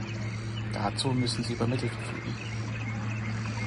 Dazu müssen sie über Mittel verfügen.